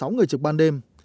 sáu người trực ban đêm